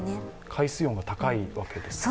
海水温が高いわけですか？